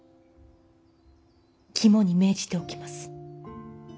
肝に銘じておきます。